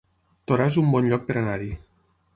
Torà es un bon lloc per anar-hi